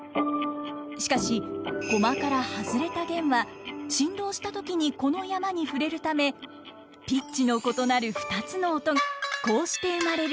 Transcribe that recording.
しかし駒から外れた絃は振動したときにこの山に触れるためピッチの異なる２つの音が共鳴します。